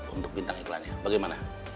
untuk bintang iklannya bagaimana